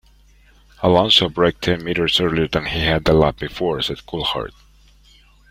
"Alonso braked ten metres earlier than he had the lap before," said Coulthard.